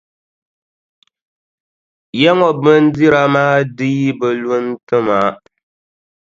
Yaŋɔ bindira maa dii bi lu n-ti ma.